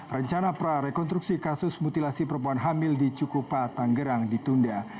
rencana prarekonstruksi kasus mutilasi perempuan hamil di cikupa tanggerang ditunda